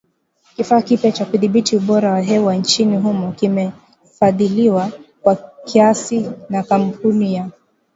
Kifaa kipya cha kudhibiti ubora wa hewa nchini humo kimefadhiliwa kwa kiasi na kampuni ya